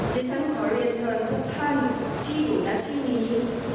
ดิฉันขอเรียนเชิญทุกท่านที่อยู่หน้าที่นี้